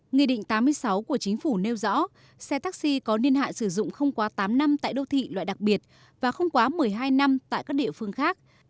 nghị định tám mươi sáu của chính phủ nêu rõ xe taxi có niên hạn sử dụng không quá tám năm tại đô thị loại đặc biệt và không quá một mươi hai năm tại các địa phương khác